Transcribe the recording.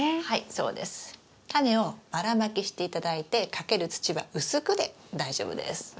はいそうです。タネをばらまきして頂いてかける土は薄くで大丈夫です。